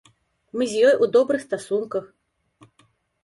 Мы з ёй у добрых стасунках.